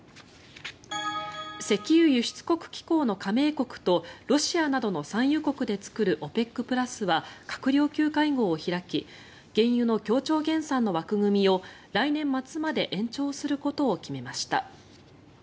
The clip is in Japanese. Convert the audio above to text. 石油輸出国機構の加盟国とロシアなどの産油国で作るＯＰＥＣプラスは閣僚級会合を開き原油の協調減産の枠組みを来年末まで延長することを決めました。